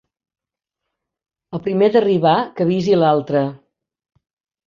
El primer d'arribar que avisi l'altre.